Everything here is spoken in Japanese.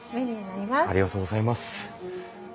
ありがとうございます。